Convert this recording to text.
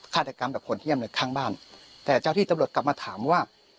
ฆาตกรรมแบบโหดเยี่ยมเลยข้างบ้านแต่เจ้าที่ตำรวจกลับมาถามว่า